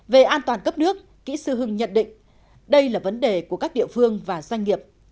về an toàn cấp nước kỹ sư hưng nhận định đây là vấn đề của các địa phương và doanh nghiệp